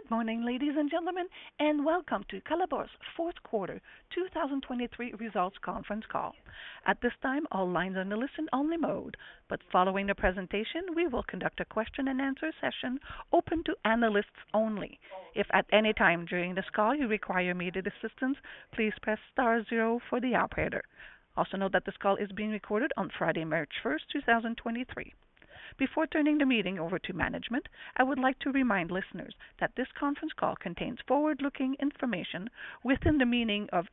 Good morning, ladies and gentlemen, and welcome to Colabor's Fourth Quarter 2023 Results Conference Call. At this time, all lines are in the listen-only mode, but following the presentation we will conduct a question-and-answer session open to analysts only. If at any time during this call you require assistance, please press star zero for the operator. Also note that this call is being recorded on Friday, March 1, 2023. Before turning the meeting over to management, I would like to remind listeners that this conference call contains forward-looking information within the meaning of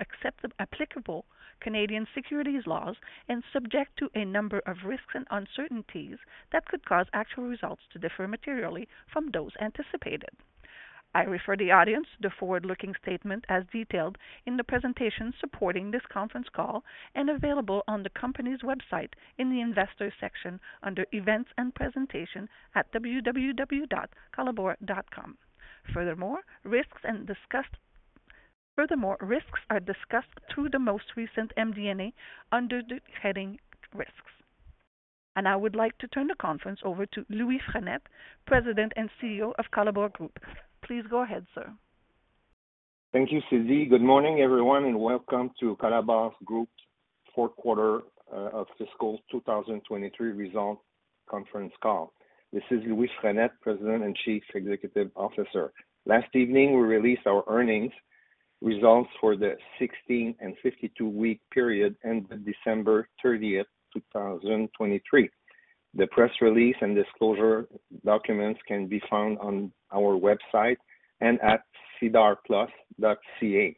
applicable Canadian securities laws and subject to a number of risks and uncertainties that could cause actual results to differ materially from those anticipated. I refer the audience to the forward-looking statement as detailed in the presentation supporting this conference call and available on the company's website in the investors section under Events and Presentation at www.colabor.com. Furthermore, risks are discussed through the most recent MD&A under the heading Risks. I would like to turn the conference over to Louis Frenette, President and CEO of Colabor Group. Please go ahead, sir. Thank you, Suzie. Good morning, everyone, and welcome to Colabor Group's Fourth Quarter of Fiscal 2023 Results Conference Call. This is Louis Frenette, President and Chief Executive Officer. Last evening we released our earnings results for the 16- and 52-week period ended December 30, 2023. The press release and disclosure documents can be found on our website and at sedarplus.ca.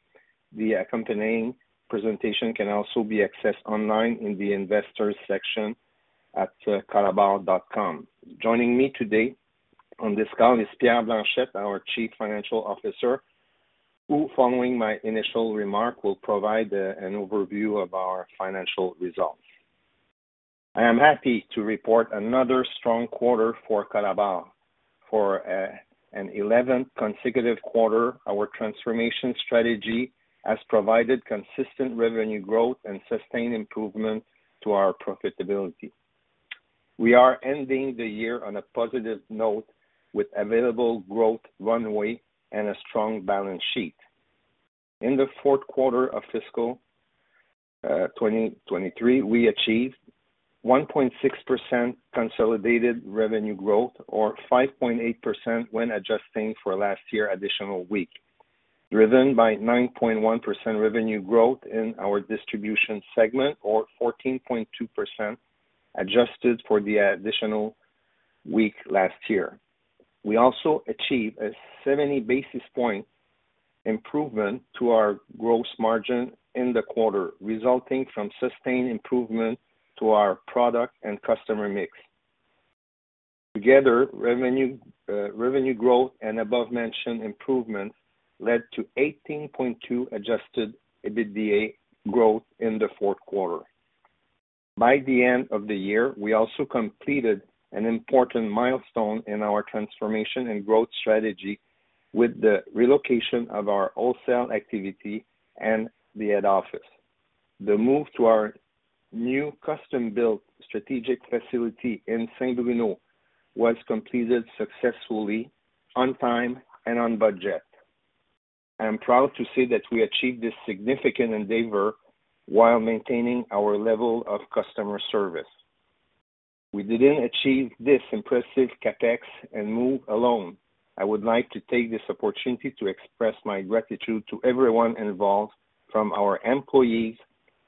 The accompanying presentation can also be accessed online in the investors section at colabor.com. Joining me today on this call is Pierre Blanchette, our Chief Financial Officer, who, following my initial remark, will provide an overview of our financial results. I am happy to report another strong quarter for Colabor. For an 11th consecutive quarter, our transformation strategy has provided consistent revenue growth and sustained improvement to our profitability. We are ending the year on a positive note with available growth runway and a strong balance sheet. In the fourth quarter of fiscal 2023, we achieved 1.6% consolidated revenue growth or 5.8% when adjusting for last year additional week, driven by 9.1% revenue growth in our distribution segment or 14.2% adjusted for the additional week last year. We also achieved a 70 basis point improvement to our gross margin in the quarter, resulting from sustained improvement to our product and customer mix. Together, revenue growth and above-mentioned improvement led to 18.2% Adjusted EBITDA growth in the fourth quarter. By the end of the year, we also completed an important milestone in our transformation and growth strategy with the relocation of our wholesale activity and the head office. The move to our new custom-built strategic facility in Saint-Bruno-de-Montarville was completed successfully on time and on budget. I am proud to say that we achieved this significant endeavor while maintaining our level of customer service. We didn't achieve this impressive CapEx and move alone. I would like to take this opportunity to express my gratitude to everyone involved from our employees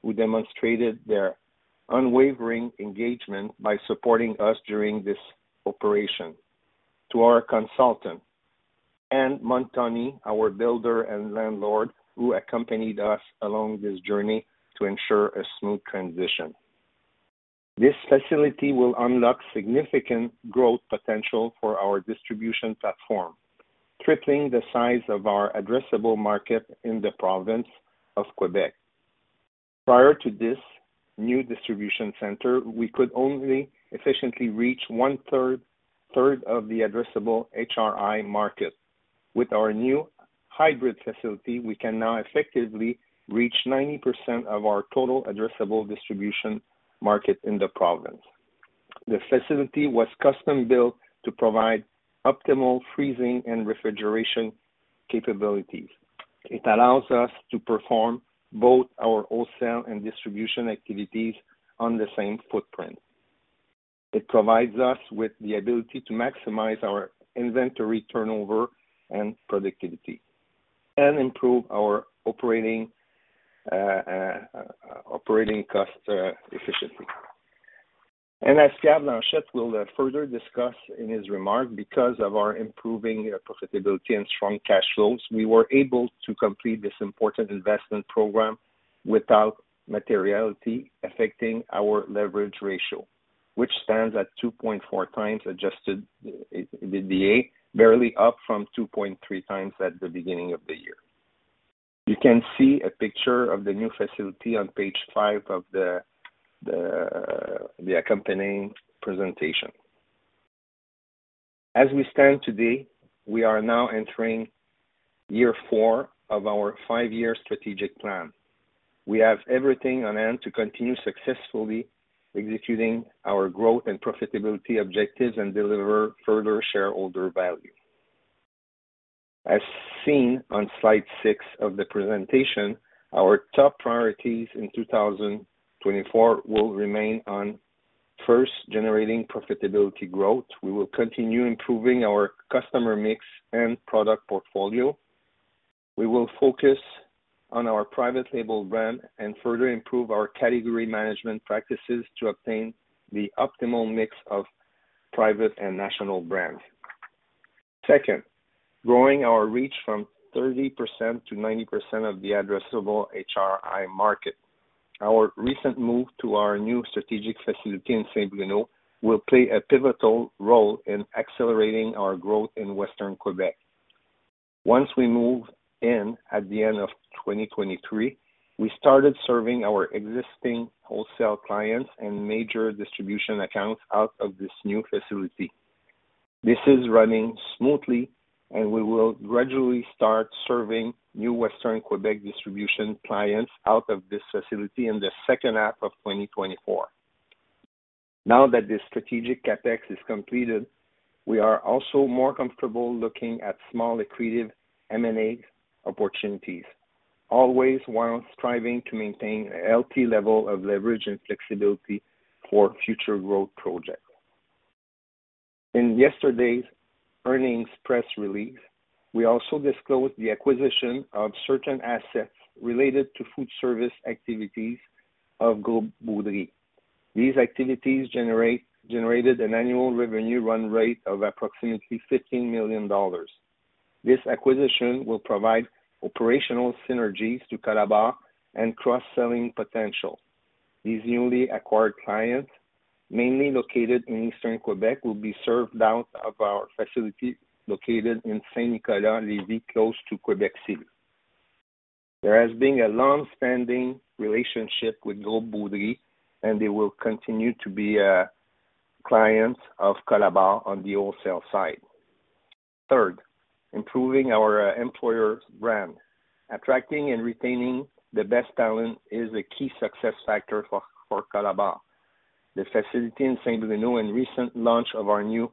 who demonstrated their unwavering engagement by supporting us during this operation, to our consultant, and Montoni, our builder and landlord who accompanied us along this journey to ensure a smooth transition. This facility will unlock significant growth potential for our distribution platform, tripling the size of our addressable market in the province of Quebec. Prior to this new distribution center, we could only efficiently reach one-third of the addressable HRI market. With our new hybrid facility, we can now effectively reach 90% of our total addressable distribution market in the province. The facility was custom-built to provide optimal freezing and refrigeration capabilities. It allows us to perform both our wholesale and distribution activities on the same footprint. It provides us with the ability to maximize our inventory turnover and productivity and improve our operating cost efficiency. As Pierre Blanchette will further discuss in his remark, because of our improving profitability and strong cash flows, we were able to complete this important investment program without materially affecting our leverage ratio, which stands at 2.4 times Adjusted EBITDA, barely up from 2.3 times at the beginning of the year. You can see a picture of the new facility on page five of the accompanying presentation. As we stand today, we are now entering year four of our five-year strategic plan. We have everything on hand to continue successfully executing our growth and profitability objectives and deliver further shareholder value. As seen on slide six of the presentation, our top priorities in 2024 will remain on first, generating profitability growth. We will continue improving our customer mix and product portfolio. We will focus on our private label brand and further improve our category management practices to obtain the optimal mix of private and national brands. Second, growing our reach from 30%-90% of the addressable HRI market. Our recent move to our new strategic facility in Saint-Bruno-de-Montarville will play a pivotal role in accelerating our growth in Western Quebec. Once we move in at the end of 2023, we started serving our existing wholesale clients and major distribution accounts out of this new facility. This is running smoothly, and we will gradually start serving new Western Quebec distribution clients out of this facility in the second half of 2024. Now that this strategic Capex is completed, we are also more comfortable looking at small accretive M&A opportunities, always while striving to maintain an healthy level of leverage and flexibility for future growth projects. In yesterday's earnings press release, we also disclosed the acquisition of certain assets related to food service activities of Groupe Beaudry. These activities generated an annual revenue run rate of approximately 15 million dollars. This acquisition will provide operational synergies to Colabor and cross-selling potential. These newly acquired clients, mainly located in Eastern Quebec, will be served out of our facility located in Saint-Nicolas, Lévis close to Quebec City. There has been a long-standing relationship with Groupe Beaudry, and they will continue to be clients of Colabor on the wholesale side. Third, improving our employer brand. Attracting and retaining the best talent is a key success factor for Colabor. The facility in Saint-Bruno-de-Montarville and recent launch of our new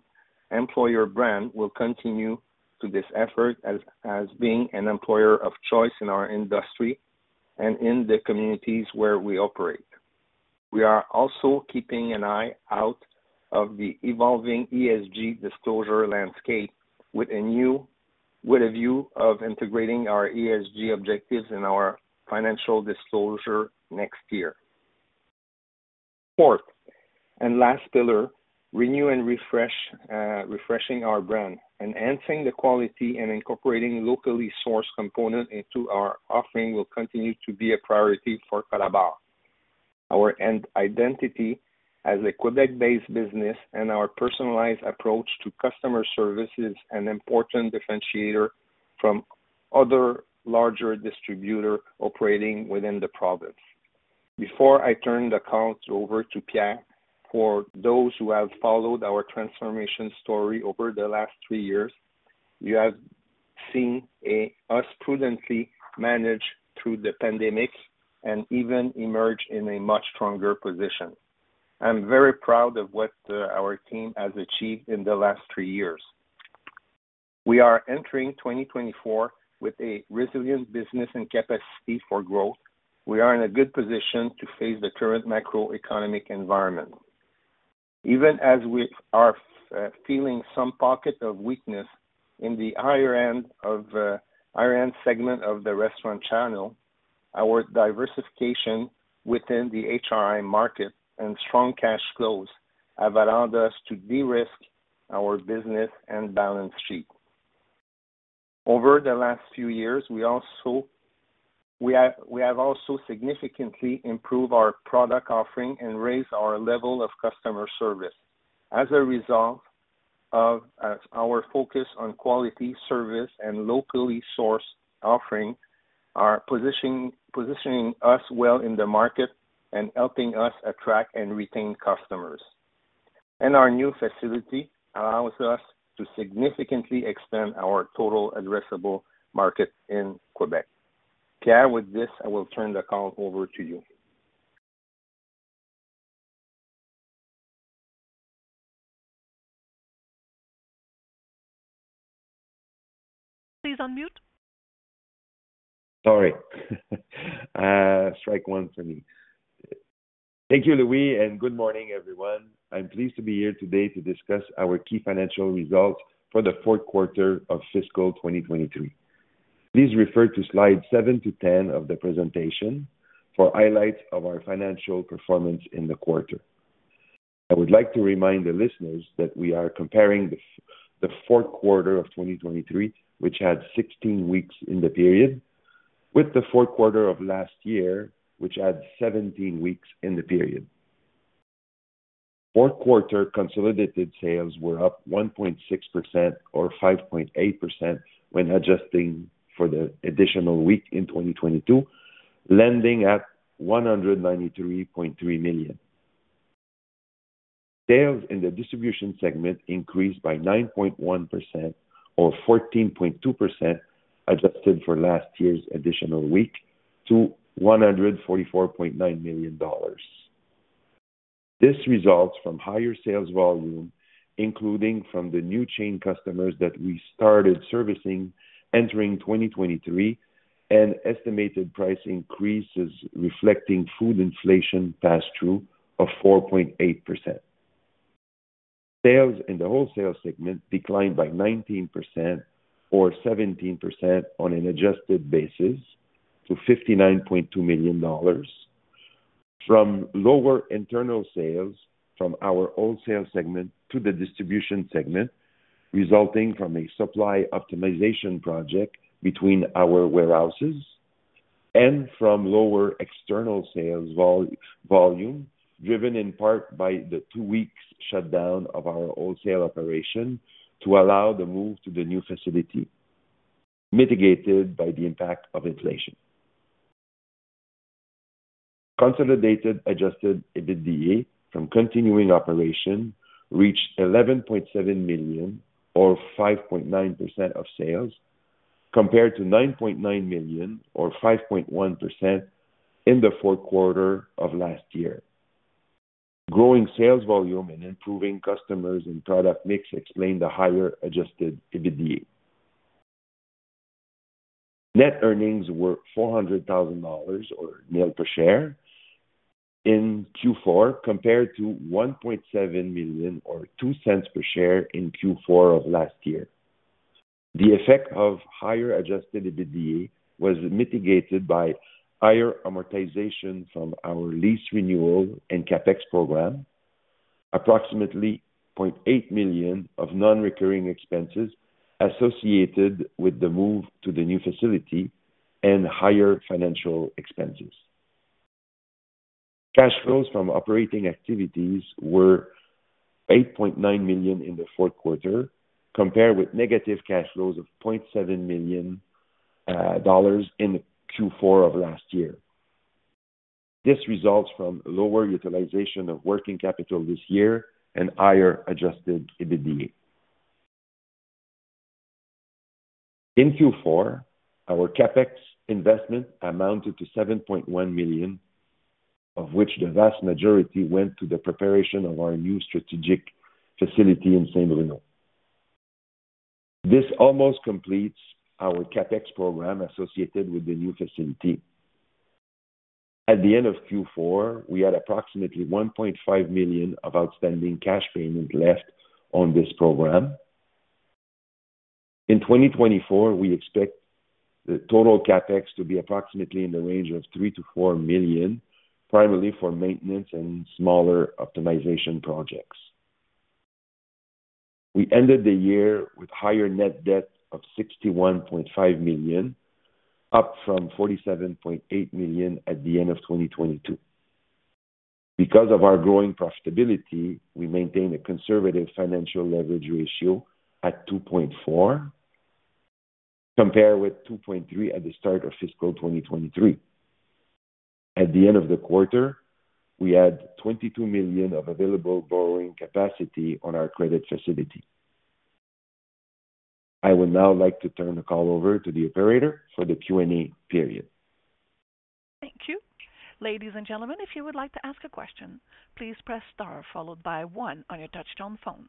employer brand will continue this effort as being an employer of choice in our industry and in the communities where we operate. We are also keeping an eye out of the evolving ESG disclosure landscape with a view of integrating our ESG objectives in our financial disclosure next year. Fourth and last pillar, renew and refreshing our brand and enhancing the quality and incorporating locally sourced components into our offering will continue to be a priority for Colabor. Our identity as a Quebec-based business and our personalized approach to customer service is an important differentiator from other larger distributors operating within the province. Before I turn the call over to Pierre, for those who have followed our transformation story over the last three years, you have seen us prudently manage through the pandemic and even emerge in a much stronger position. I'm very proud of what our team has achieved in the last three years. We are entering 2024 with a resilient business and capacity for growth. We are in a good position to face the current macroeconomic environment. Even as we are feeling some pockets of weakness in the higher-end segment of the restaurant channel, our diversification within the HRI market and strong cash flows have allowed us to de-risk our business and balance sheet. Over the last few years, we have also significantly improved our product offering and raised our level of customer service. As a result of our focus on quality service and locally sourced offering, positioning us well in the market and helping us attract and retain customers. Our new facility allows us to significantly extend our total addressable market in Quebec. Pierre, with this, I will turn the call over to you. Please unmute. Sorry. Strike one for me. Thank you, Louis, and good morning, everyone. I'm pleased to be here today to discuss our key financial results for the fourth quarter of fiscal 2023. Please refer to Slides 7 to 10 of the presentation for highlights of our financial performance in the quarter. I would like to remind the listeners that we are comparing the fourth quarter of 2023, which had 16 weeks in the period, with the fourth quarter of last year, which had 17 weeks in the period. Fourth quarter consolidated sales were up 1.6% or 5.8% when adjusting for the additional week in 2022, landing at 193.3 million. Sales in the distribution segment increased by 9.1% or 14.2% adjusted for last year's additional week to 144.9 million dollars. This results from higher sales volume, including from the new chain customers that we started servicing entering 2023, and estimated price increases reflecting food inflation pass-through of 4.8%. Sales in the wholesale segment declined by 19% or 17% on an adjusted basis to 59.2 million dollars from lower internal sales from our wholesale segment to the distribution segment, resulting from a supply optimization project between our warehouses, and from lower external sales volume driven in part by the 2-week shutdown of our wholesale operation to allow the move to the new facility, mitigated by the impact of inflation. Consolidated Adjusted EBITDA from continuing operation reached 11.7 million or 5.9% of sales compared to 9.9 million or 5.1% in the fourth quarter of last year. Growing sales volume and improving customers and product mix explain the higher Adjusted EBITDA. Net earnings were 400,000 dollars or nil per share in Q4 compared to 1.7 million or 0.02 per share in Q4 of last year. The effect of higher Adjusted EBITDA was mitigated by higher amortization from our lease renewal and CapEx program, approximately 0.8 million of non-recurring expenses associated with the move to the new facility, and higher financial expenses. Cash flows from operating activities were 8.9 million in the fourth quarter compared with negative cash flows of 0.7 million dollars in Q4 of last year. This results from lower utilization of working capital this year and higher Adjusted EBITDA. In Q4, our CapEx investment amounted to 7.1 million, of which the vast majority went to the preparation of our new strategic facility in Saint-Bruno-de-Montarville. This almost completes our CapEx program associated with the new facility. At the end of Q4, we had approximately 1.5 million of outstanding cash payment left on this program. In 2024, we expect the total Capex to be approximately in the range of 3 million-4 million, primarily for maintenance and smaller optimization projects. We ended the year with higher net debt of 61.5 million, up from 47.8 million at the end of 2022. Because of our growing profitability, we maintain a conservative financial leverage ratio at 2.4 compared with 2.3 at the start of fiscal 2023. At the end of the quarter, we had 22 million of available borrowing capacity on our credit facility. I would now like to turn the call over to the operator for the Q&A period. Thank you. Ladies and gentlemen, if you would like to ask a question, please press star followed by one on your touch-tone phone.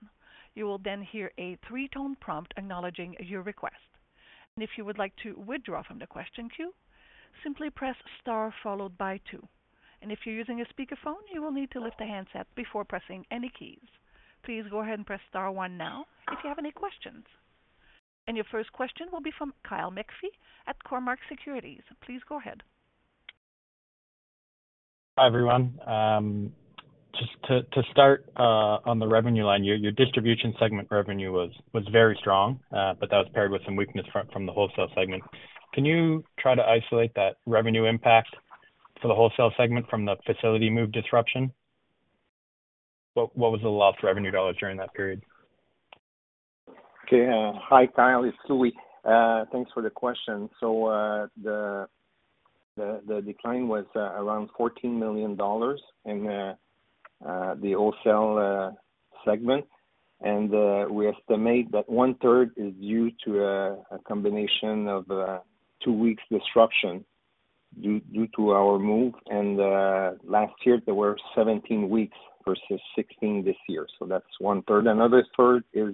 You will then hear a three-tone prompt acknowledging your request. If you would like to withdraw from the question queue, simply press star followed by two. If you're using a speakerphone, you will need to lift the handset before pressing any keys. Please go ahead and press star one now if you have any questions. Your first question will be from Kyle McPhee at Cormark Securities. Please go ahead. Hi, everyone. Just to start on the revenue line, your distribution segment revenue was very strong, but that was paired with some weakness from the wholesale segment. Can you try to isolate that revenue impact for the wholesale segment from the facility move disruption? What was the lost revenue dollars during that period? Okay. Hi, Kyle. It's Louis. Thanks for the question. So the decline was around 14 million dollars in the wholesale segment. And we estimate that one-third is due to a combination of 2-week disruption due to our move. And last year, there were 17 weeks versus 16 this year. So that's one-third. Another third is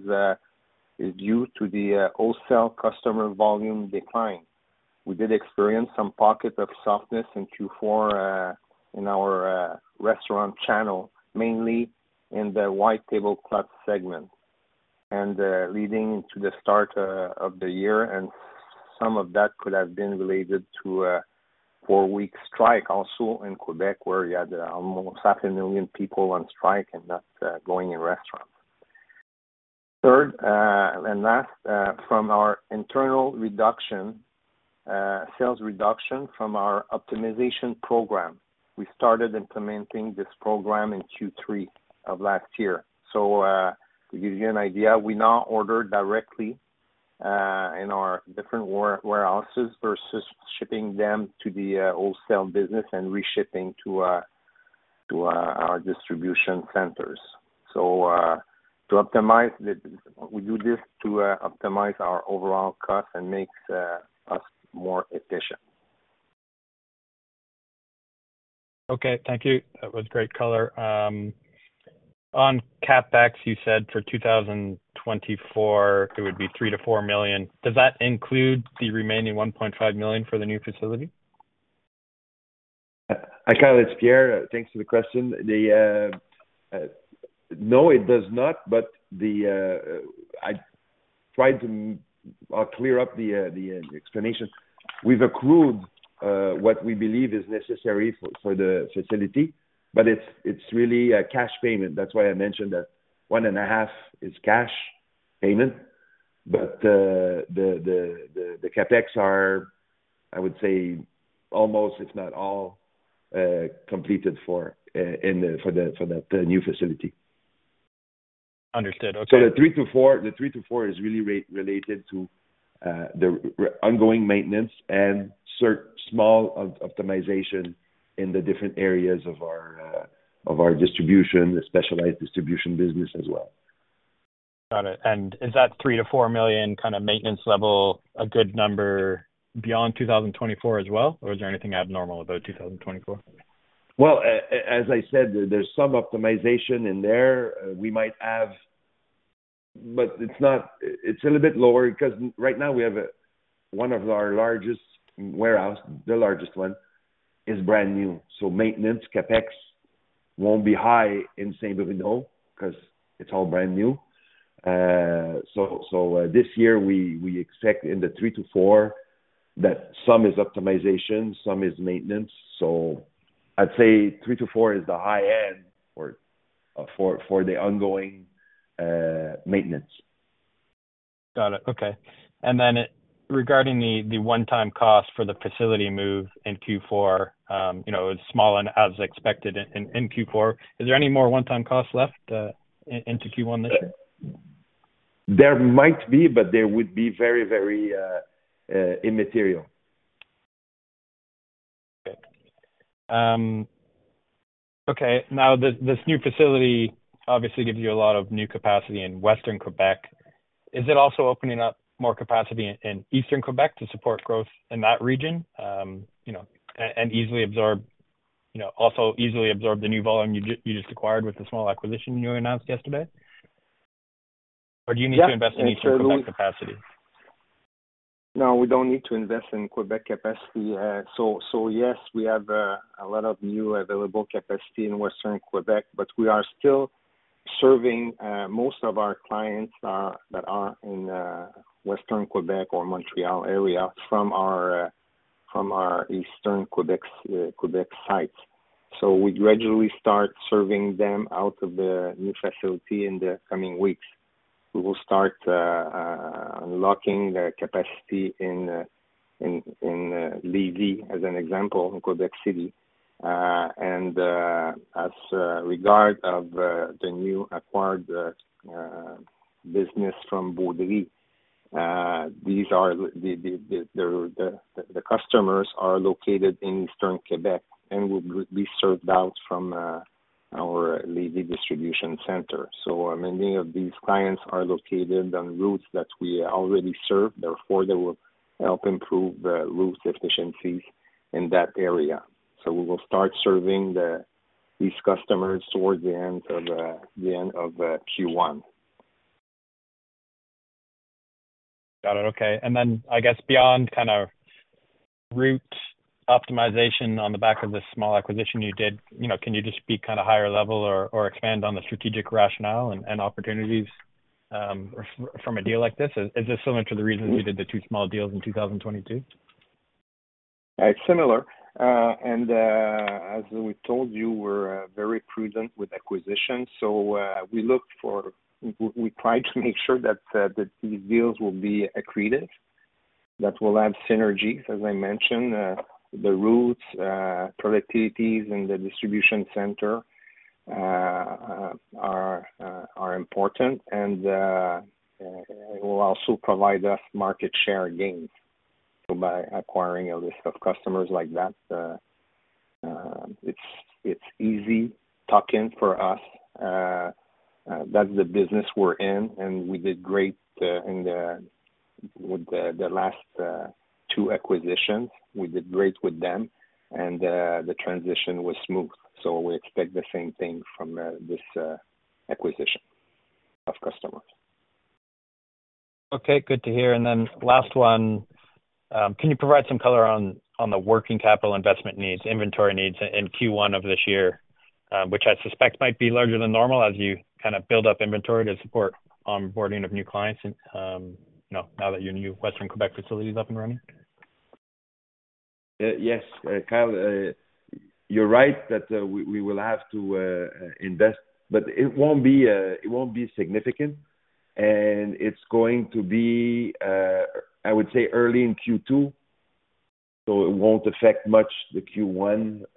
due to the wholesale customer volume decline. We did experience some pocket of softness in Q4 in our restaurant channel, mainly in the white tablecloth segment, leading into the start of the year. And some of that could have been related to a four-week strike also in Quebec, where you had almost 500,000 people on strike and not going in restaurants. Third and last, from our internal sales reduction from our optimization program, we started implementing this program in Q3 of last year. To give you an idea, we now order directly in our different warehouses versus shipping them to the wholesale business and reshipping to our distribution centers. We do this to optimize our overall costs and makes us more efficient. Okay. Thank you. That was great color. On CapEx, you said for 2024, it would be 3 million-4 million. Does that include the remaining 1.5 million for the new facility? Hi, Kyle. It's Pierre. Thanks for the question. No, it does not. But I tried to clear up the explanation. We've accrued what we believe is necessary for the facility, but it's really cash payment. That's why I mentioned that 1.5 is cash payment. But the Capex are, I would say, almost, if not all, completed for that new facility. Understood. Okay. The 3-4 is really related to the ongoing maintenance and small optimization in the different areas of our distribution, the specialty distribution business as well. Got it. And is that 3 million-4 million kind of maintenance level a good number beyond 2024 as well, or is there anything abnormal about 2024? Well, as I said, there's some optimization in there. We might have, but it's a little bit lower because right now, one of our largest warehouses, the largest one, is brand new. So maintenance Capex won't be high in Saint-Bruno-de-Montarville because it's all brand new. So this year, we expect in the 3-4 that some is optimization, some is maintenance. So I'd say three to four is the high end for the ongoing maintenance. Got it. Okay. And then regarding the one-time cost for the facility move in Q4, it was small and as expected in Q4. Is there any more one-time costs left into Q1 this year? There might be, but there would be very, very immaterial. Okay. Okay. Now, this new facility obviously gives you a lot of new capacity in Western Quebec. Is it also opening up more capacity in Eastern Quebec to support growth in that region and also easily absorb the new volume you just acquired with the small acquisition you announced yesterday, or do you need to invest in Eastern Quebec capacity? No, we don't need to invest in Quebec capacity. So yes, we have a lot of new available capacity in Western Quebec, but we are still serving most of our clients that are in Western Quebec or Montreal area from our Eastern Quebec sites. So we gradually start serving them out of the new facility in the coming weeks. We will start unlocking the capacity in Lévis as an example in Quebec City. And as regards the new acquired business from Boudry, the customers are located in Eastern Quebec and will be served out from our Lévis distribution center. So many of these clients are located on routes that we already serve. Therefore, they will help improve route efficiencies in that area. So we will start serving these customers towards the end of Q1. Got it. Okay. And then I guess beyond kind of route optimization on the back of this small acquisition you did, can you just speak kind of higher level or expand on the strategic rationale and opportunities from a deal like this? Is this similar to the reasons you did the two small deals in 2022? It's similar. As we told you, we're very prudent with acquisitions. We tried to make sure that these deals will be accretive, that will have synergies, as I mentioned. The routes, productivities, and the distribution center are important, and it will also provide us market share gains. By acquiring a list of customers like that, it's easy tuck-in for us. That's the business we're in. We did great with the last two acquisitions. We did great with them, and the transition was smooth. We expect the same thing from this acquisition of customers. Okay. Good to hear. Then last one, can you provide some color on the working capital investment needs, inventory needs in Q1 of this year, which I suspect might be larger than normal as you kind of build up inventory to support onboarding of new clients now that your new Western Quebec facility is up and running? Yes. Kyle, you're right that we will have to invest, but it won't be significant. It's going to be, I would say, early in Q2. It won't affect much the Q1,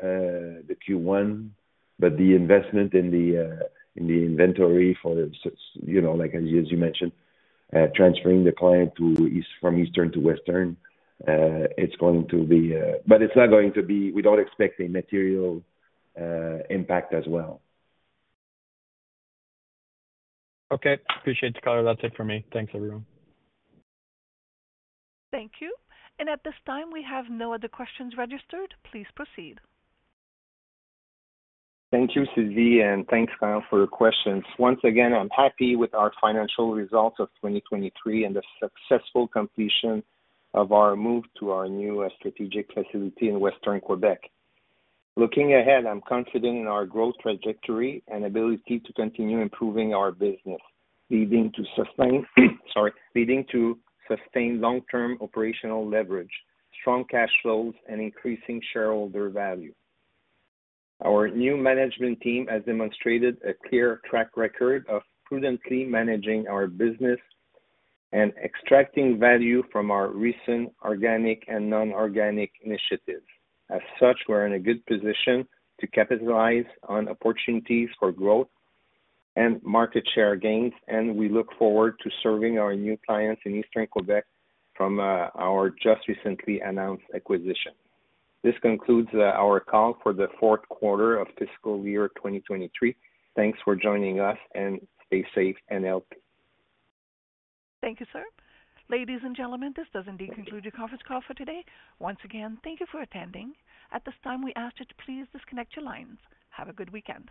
but the investment in the inventory for, as you mentioned, transferring the client from Eastern to Western, it's going to be, but we don't expect a material impact as well. Okay. Appreciate the color. That's it for me. Thanks, everyone. Thank you. At this time, we have no other questions registered. Please proceed. Thank you, Suzie, and thanks, Kyle, for your questions. Once again, I'm happy with our financial results of 2023 and the successful completion of our move to our new strategic facility in Western Quebec. Looking ahead, I'm confident in our growth trajectory and ability to continue improving our business, leading to sustained long-term operational leverage, strong cash flows, and increasing shareholder value. Our new management team has demonstrated a clear track record of prudently managing our business and extracting value from our recent organic and non-organic initiatives. As such, we're in a good position to capitalize on opportunities for growth and market share gains, and we look forward to serving our new clients in Eastern Quebec from our just recently announced acquisition. This concludes our call for the fourth quarter of fiscal year 2023. Thanks for joining us, and stay safe and healthy. Thank you, sir. Ladies and gentlemen, this does indeed conclude your conference call for today. Once again, thank you for attending. At this time, we ask that you please disconnect your lines. Have a good weekend.